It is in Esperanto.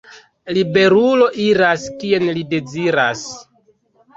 Liberulo iras, kien li deziras.